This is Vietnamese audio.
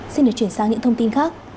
xin được chuyển sang những thông tin khác